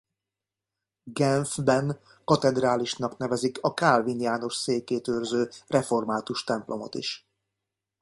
Genfben katedrálisnak nevezik a Kálvin János székét őrző református templomot is.